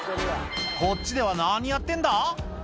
こっちでは何やってんだ？